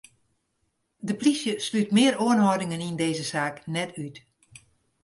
De polysje slút mear oanhâldingen yn dizze saak net út.